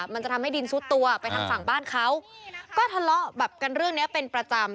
มันจะทำให้ดินซุดตัวไปทางฝั่งบ้านเขาก็ทะเลาะแบบกันเรื่องนี้เป็นประจำ